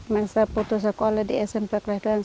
saya putus sekolah di smp kresna